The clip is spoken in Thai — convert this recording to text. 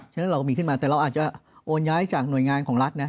ฉะนั้นเราก็มีขึ้นมาแต่เราอาจจะโอนย้ายจากหน่วยงานของรัฐนะ